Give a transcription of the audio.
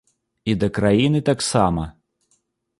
І да краіны таксама.